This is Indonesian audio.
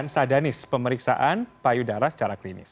sadanis pemeriksaan payudara secara klinis